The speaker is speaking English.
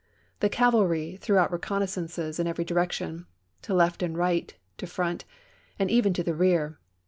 The cavalry threw out reconnaissances in every direction: to left and right, to front, and even to the rear.